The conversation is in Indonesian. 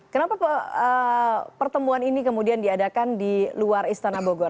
kenapa pertemuan ini kemudian diadakan di luar istana bogor